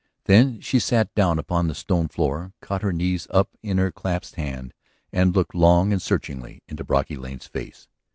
Then she sat down upon the stone floor, caught her knees up in her clasped hands, and looked long and searchingly into Brocky Lane's face.